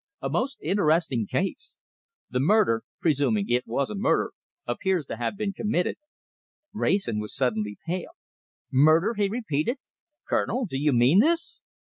A most interesting case. The murder, presuming it was a murder, appears to have been committed " Wrayson was suddenly pale. "Murder!" he repeated. "Colonel, do you mean this?"